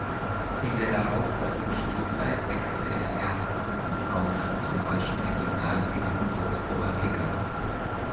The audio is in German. In der darauffolgenden Spielzeit wechselte er erstmals ins Ausland zum deutschen Regionalligisten Würzburger Kickers.